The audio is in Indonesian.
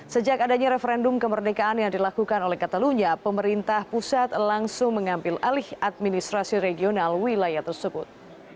sejak adanya referendum kemerdekaan yang dilakukan oleh katalunya pemerintah pusat langsung mengambil alih administrasi regional wilayah tersebut